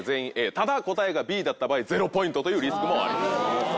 ただ答えがＢだった場合ゼロポイントというリスクもあります。